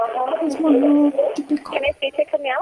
Es monotípico.